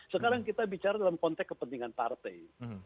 sekarang kita bicara dalam konteks kepentingan partai